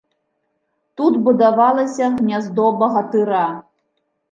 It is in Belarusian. Тут будавалася гняздо багатыра.